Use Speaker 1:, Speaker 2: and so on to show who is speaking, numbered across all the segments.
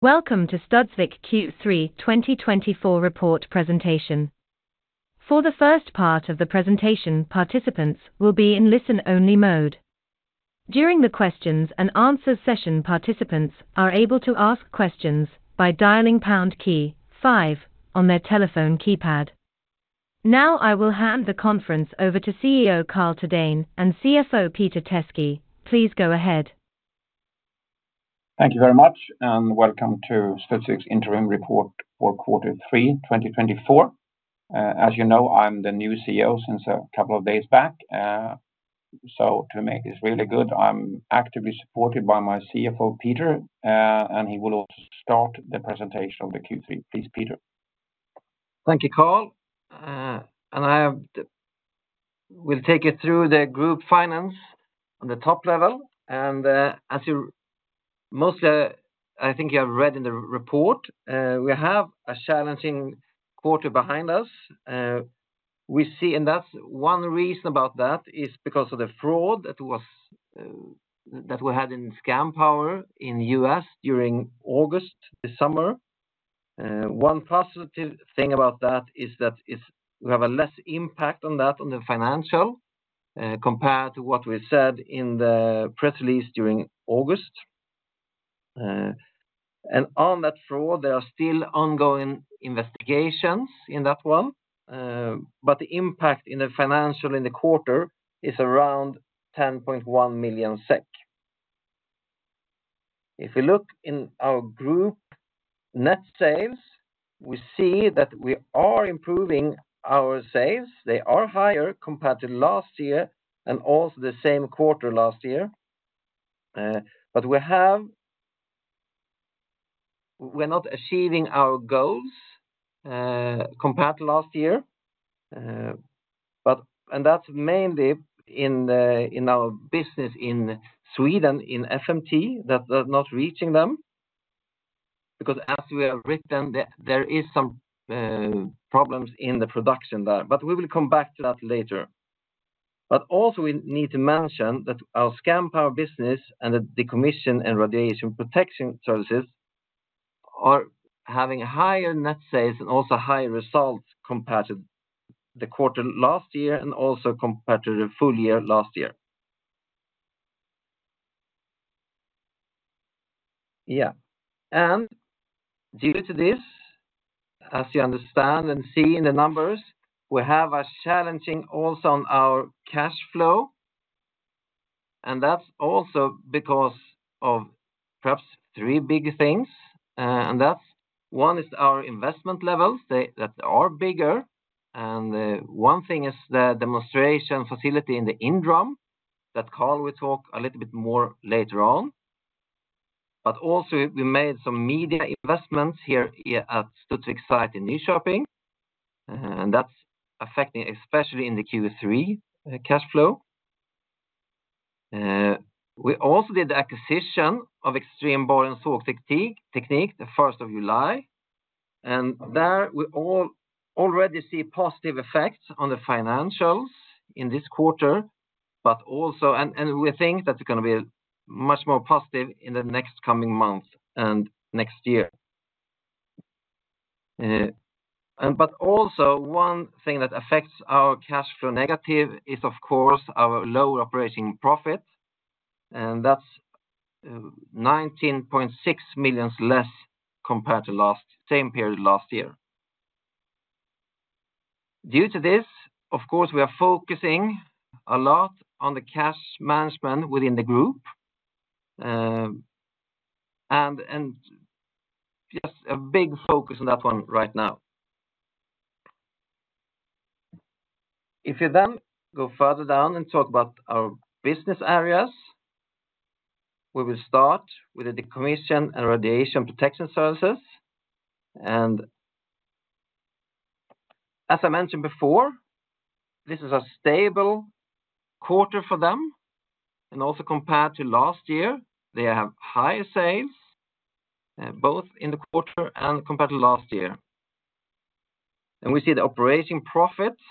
Speaker 1: Welcome to Studsvik Q3 2024 report presentation. For the first part of the presentation, participants will be in listen-only mode. During the questions and answer session, participants are able to ask questions by dialing pound key five on their telephone keypad. Now I will hand the conference over to CEO Karl Thedéen and CFO Peter Teske. Please go ahead.
Speaker 2: Thank you very much, and welcome to Studsvik's interim report for quarter three, twenty twenty-four. As you know, I'm the new CEO since a couple of days back. So to make this really good, I'm actively supported by my CFO, Peter, and he will also start the presentation of the Q3. Please, Peter.
Speaker 3: Thank you, Carl. We'll take you through the group financials on the top level, and as most I think you have read in the report, we have a challenging quarter behind us. We see, and that's one reason about that is because of the fraud that we had in Scandpower in the U.S. during August this summer. One positive thing about that is that we have a less impact on that, on the financials compared to what we said in the press release during August, and on that fraud there are still ongoing investigations in that one, but the impact in the financials in the quarter is around 10.1 million SEK. If we look in our group net sales, we see that we are improving our sales. They are higher compared to last year and also the same quarter last year. But we have... We're not achieving our goals compared to last year, but and that's mainly in the, in our business in Sweden, in FMT, that we're not reaching them, because as we have written, there is some problems in the production there, but we will come back to that later. But also, we need to mention that our Scandpower business and the decommissioning and radiation protection services are having higher net sales and also higher results compared to the quarter last year and also compared to the full year last year. Yeah. And due to this, as you understand and see in the numbers, we have a challenging also on our cash flow, and that's also because of perhaps three big things. And that's one is our investment levels that are bigger, and one thing is the demonstration facility in the inDRUM, that Carl will talk a little bit more later on. But also, we made some media investments here at Studsvik site in Nyköping, and that's affecting, especially in the Q3, cash flow. We also did the acquisition of Extreme Borehole Source, the first of July, and there we already see positive effects on the financials in this quarter, but also. And we think that's gonna be much more positive in the next coming months and next year. But also one thing that affects our cash flow negative is, of course, our lower operating profit, and that's 19.6 million SEK less compared to the same period last year. Due to this, of course, we are focusing a lot on the cash management within the group, and just a big focus on that one right now. If you then go further down and talk about our business areas, we will start with the Decommissioning and Radiation Protection Services. As I mentioned before, this is a stable quarter for them, and also compared to last year, they have higher sales, both in the quarter and compared to last year. We see the operating profits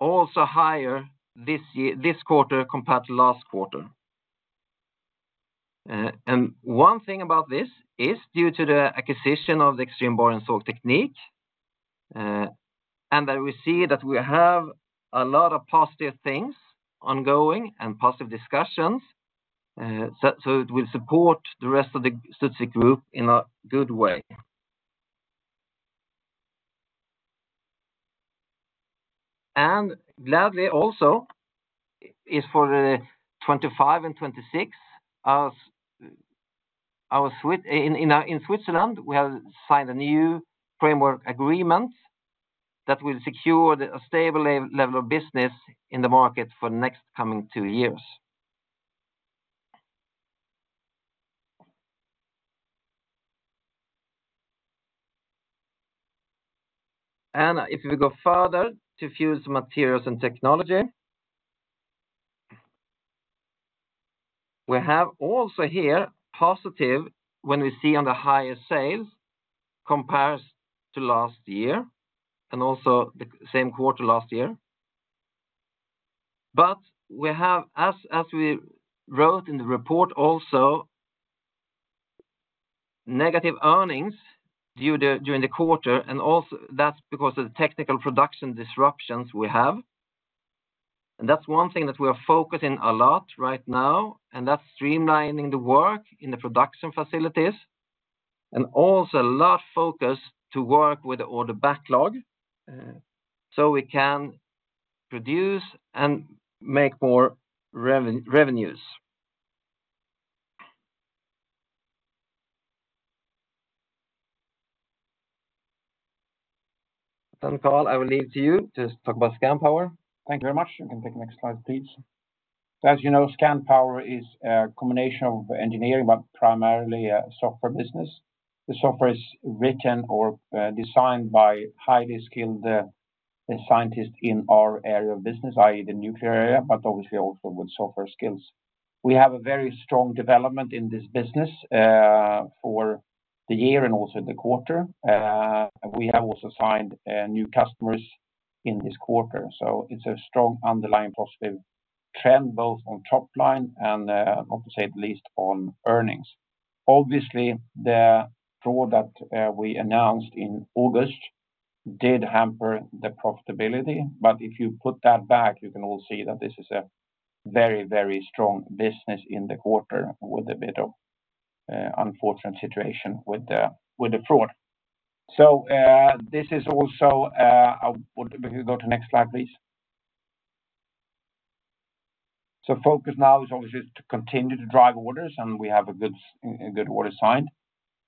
Speaker 3: also higher this year, this quarter compared to last quarter. And one thing about this is due to the acquisition of the Extreme Borehole Source technique, and that we see that we have a lot of positive things ongoing and positive discussions, so it will support the rest of the Studsvik group in a good way. And gladly also is for 2025 and 2026, as our Sweden in Switzerland, we have signed a new framework agreement that will secure a stable level of business in the market for next coming two years. And if we go further to Fuel and Materials Technology, we have also here, positive when we see on the higher sales compares to last year, and also the same quarter last year... But we have, as we wrote in the report, also negative earnings due to during the quarter, and also that's because of the technical production disruptions we have. And that's one thing that we are focusing a lot right now, and that's streamlining the work in the production facilities, and also a lot of focus to work with the order backlog, so we can produce and make more revenues. Carl, I will leave it to you to talk about Scandpower.
Speaker 2: Thank you very much. You can take the next slide, please. As you know, Scandpower is a combination of engineering, but primarily a software business. The software is written or, designed by highly skilled, scientists in our area of business, i.e., the nuclear area, but obviously also with software skills. We have a very strong development in this business, for the year and also the quarter. We have also signed, new customers in this quarter, so it's a strong underlying positive trend, both on top line and, not to say the least, on earnings. Obviously, the draw that, we announced in August did hamper the profitability, but if you put that back, you can all see that this is a very, very strong business in the quarter, with a bit of, unfortunate situation with the, with the fraud. This is also if you go to next slide, please. Focus now is obviously to continue to drive orders, and we have a good order signed.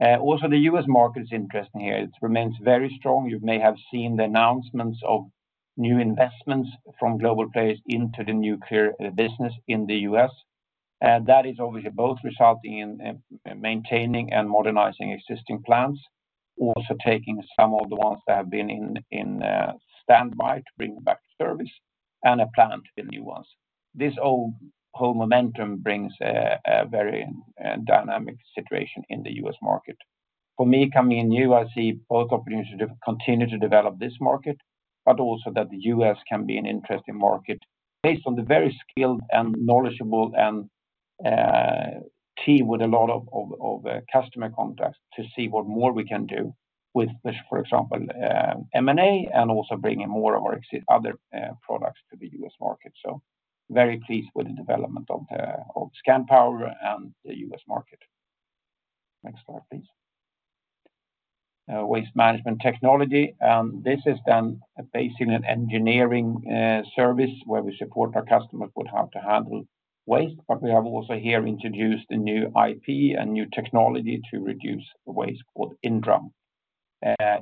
Speaker 2: Also, the U.S. market is interesting here. It remains very strong. You may have seen the announcements of new investments from global players into the nuclear business in the U.S., and that is obviously both resulting in maintaining and modernizing existing plants, also taking some of the ones that have been in standby to bring back service and a plan to build new ones. This whole momentum brings a very dynamic situation in the U.S. market. For me, coming in new, I see both opportunities to continue to develop this market, but also that the U.S. can be an interesting market based on the very skilled and knowledgeable and team with a lot of customer contacts to see what more we can do with this, for example, M&A, and also bringing more of our other products to the U.S. market. So very pleased with the development of Scandpower and the U.S. market. Next slide, please. Waste Management technology, and this is then based in an engineering service, where we support our customers with how to handle waste. But we have also here introduced a new IP and new technology to reduce the waste called inDRUM.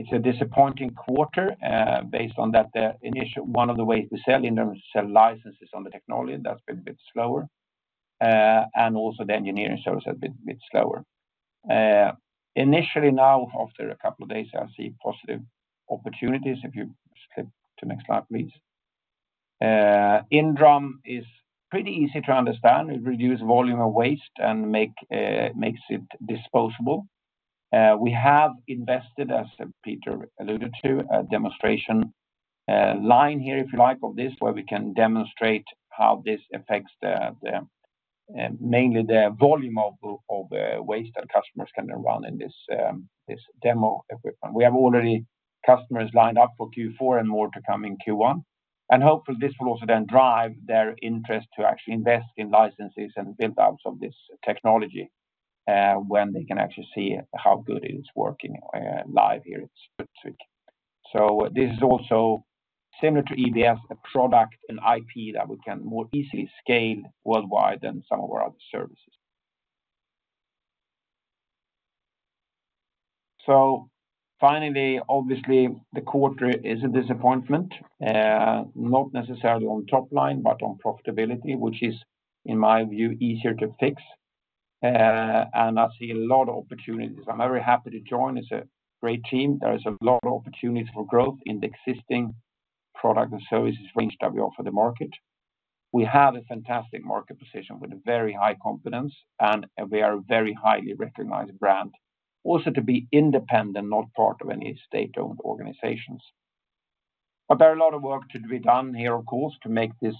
Speaker 2: It's a disappointing quarter, based on that, one of the ways we sell inDRUM, sell licenses on the technology, that's been a bit slower, and also the engineering service has been a bit slower. Initially now, after a couple of days, I see positive opportunities. If you skip to the next slide, please. inDRUM is pretty easy to understand. It reduces volume of waste and makes it disposable. We have invested, as Peter alluded to, a demonstration line here, if you like, of this, where we can demonstrate how this affects mainly the volume of waste that customers can run in this demo equipment. We have already customers lined up for Q4 and more to come in Q1, and hopefully this will also then drive their interest to actually invest in licenses and build outs of this technology, when they can actually see how good it is working, live here in Switzerland, so this is also similar to EBS, a product, an IP, that we can more easily scale worldwide than some of our other services, so finally, obviously, the quarter is a disappointment, not necessarily on top line, but on profitability, which is, in my view, easier to fix, and I see a lot of opportunities. I'm very happy to join. It's a great team. There is a lot of opportunities for growth in the existing product and services range that we offer the market. We have a fantastic market position with a very high confidence, and we are a very highly recognized brand. Also to be independent, not part of any state-owned organizations, but there are a lot of work to be done here, of course, to make this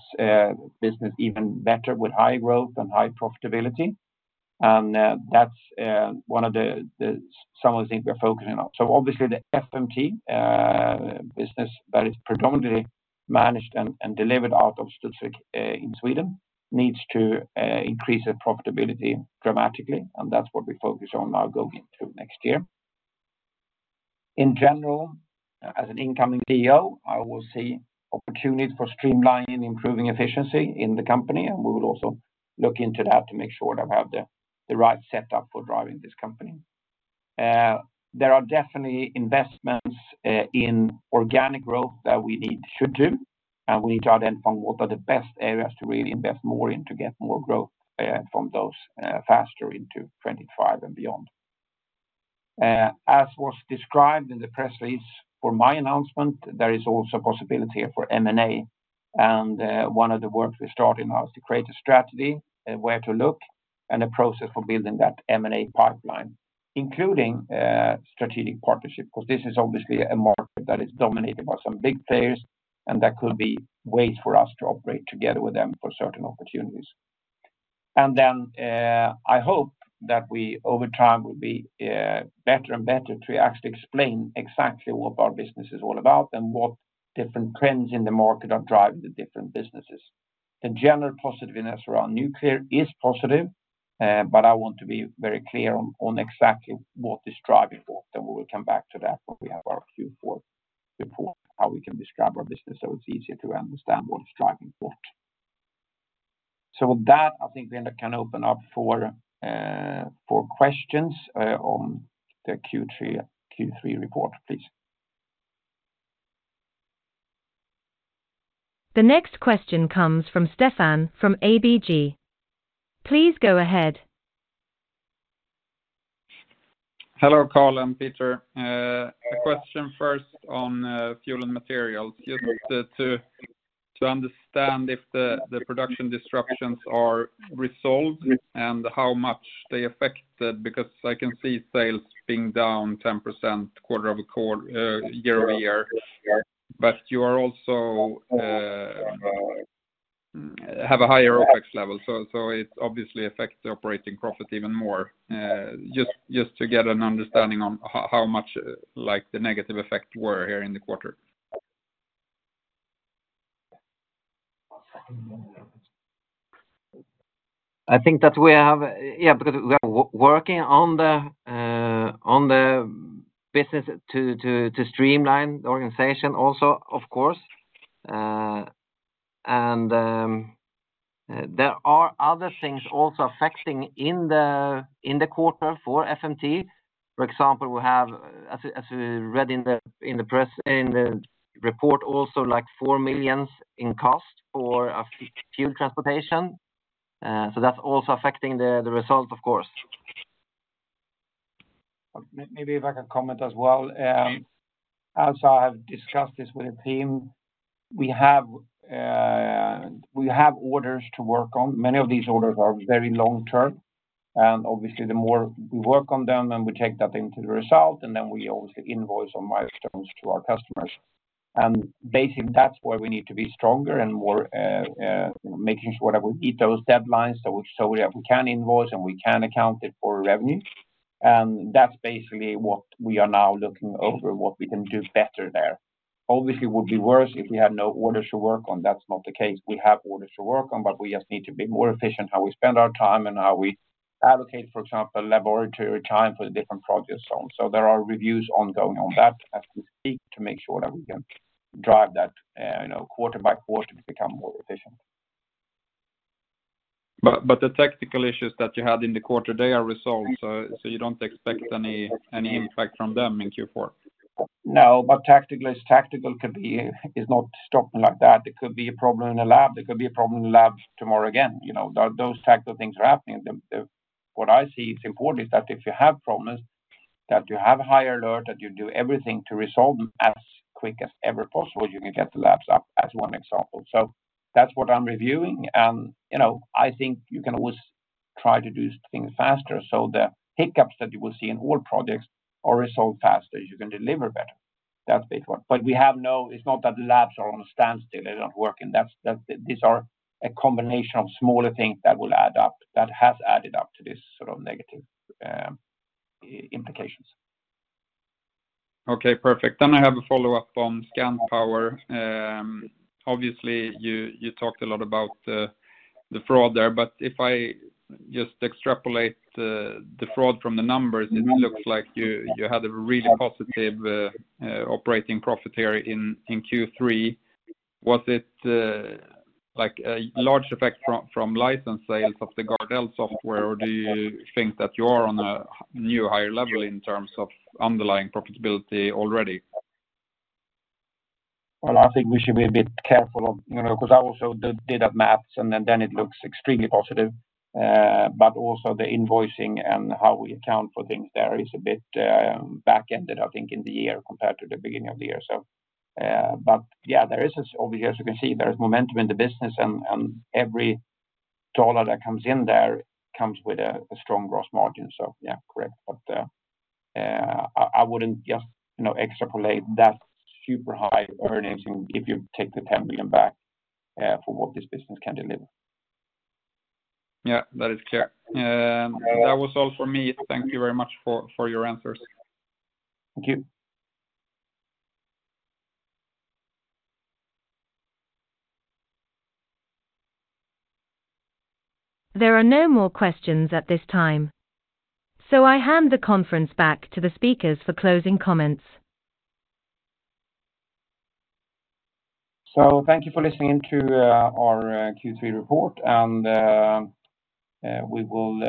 Speaker 2: business even better, with high growth and high profitability, and that's one of the some of the things we're focusing on, so obviously, the FMT business that is predominantly managed and delivered out of Switzerland in Sweden needs to increase their profitability dramatically, and that's what we focus on now going through next year. In general, as an incoming CEO, I will see opportunities for streamlining and improving efficiency in the company, and we will also look into that to make sure that I have the right setup for driving this company. There are definitely investments in organic growth that we need to do, and we need to identify what are the best areas to really invest more in to get more growth from those faster into 2025 and beyond. As was described in the press release for my announcement, there is also possibility here for M&A, and one of the works we're starting now is to create a strategy where to look and a process for building that M&A pipeline, including strategic partnership, because this is obviously a market that is dominated by some big players, and there could be ways for us to operate together with them for certain opportunities. And then, I hope that we, over time, will be better and better to actually explain exactly what our business is all about and what different trends in the market are driving the different businesses. The general positiveness around nuclear is positive, but I want to be very clear on exactly what is driving forth, and we will come back to that when we have our Q4 report, how we can describe our business, so it's easier to understand what is driving what. So with that, I think then I can open up for questions on the Q3 report, please.
Speaker 1: The next question comes from Stefan, from ABG. Please go ahead. Hello, Carl and Peter. A question first on fuel and materials, just to understand if the production disruptions are resolved and how much they affected, because I can see sales being down 10% quarter over quarter, year-over-year. But you also have a higher OpEx level, so it obviously affects the operating profit even more. Just to get an understanding on how much, like, the negative effects were here in the quarter.
Speaker 3: I think that we have, yeah, because we are working on the business to streamline the organization also, of course, and there are other things also affecting in the quarter for FMT. For example, we have, as we read in the press, in the report also, like 4 million in costs for a fuel transportation. So that's also affecting the result, of course.
Speaker 2: Maybe if I can comment as well. As I have discussed this with the team, we have orders to work on. Many of these orders are very long-term, and obviously, the more we work on them, then we take that into the result, and then we also invoice on milestones to our customers. And basically, that's where we need to be stronger and more making sure that we meet those deadlines, so that we can invoice and we can account it for revenue. And that's basically what we are now looking over, what we can do better there. Obviously, it would be worse if we had no orders to work on. That's not the case. We have orders to work on, but we just need to be more efficient, how we spend our time and how we allocate, for example, laboratory time for the different projects on. So there are reviews ongoing on that as we speak, to make sure that we can drive that, you know, quarter by quarter to become more efficient. But the tactical issues that you had in the quarter, they are resolved, so you don't expect any impact from them in Q4? No, but tactical is tactical could be, it's not stopping like that. It could be a problem in a lab. It could be a problem in lab tomorrow again, you know, those types of things are happening. What I see, it's important is that if you have problems, that you have high alert, that you do everything to resolve them as quick as ever possible. You can get the labs up as one example. So that's what I'm reviewing and, you know, I think you can always try to do things faster, so the hiccups that you will see in all projects are resolved faster, you can deliver better. That's the big one. But we have no. It's not that labs are on a standstill, they're not working. These are a combination of smaller things that will add up, that has added up to this sort of negative implications. Okay, perfect. Then I have a follow-up on Scandpower. Obviously, you talked a lot about the fraud there, but if I just extrapolate the fraud from the numbers, it looks like you had a really positive operating profit here in Q3. Was it like a large effect from license sales of the GARDEL software, or do you think that you are on a new higher level in terms of underlying profitability already? I think we should be a bit careful of, you know, because I also did the math, and then it looks extremely positive, but also the invoicing and how we account for things there is a bit back-ended, I think, in the year compared to the beginning of the year. But yeah, there is, over the years, you can see there is momentum in the business, and every dollar that comes in there comes with a strong growth margin. So yeah, correct. But I wouldn't just, you know, extrapolate that super high earnings if you take the 10 million back for what this business can deliver. Yeah, that is clear. That was all for me. Thank you very much for your answers. Thank you.
Speaker 1: There are no more questions at this time, so I hand the conference back to the speakers for closing comments.
Speaker 2: So, thank you for listening to our Q3 report, and we will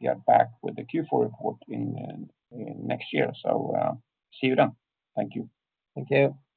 Speaker 2: get back with the Q4 report in next year. So, see you then. Thank you.
Speaker 3: Thank you.